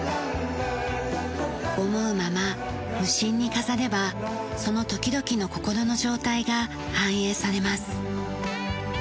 思うまま無心に飾ればその時々の心の状態が反映されます。